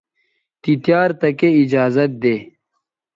تی تیار تکے ایجازت دے